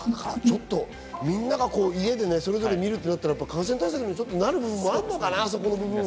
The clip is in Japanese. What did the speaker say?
みんなが家でそれぞれ見るとなると感染対策になる部分もあるのかな。